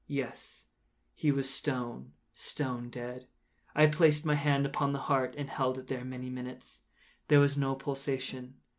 Yes, he was stone, stone dead. I placed my hand upon the heart and held it there many minutes. There was no pulsation.